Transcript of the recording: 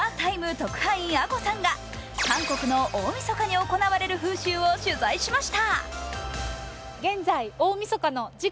特派員あこさんが韓国の大みそかに行われる風習を取材しました。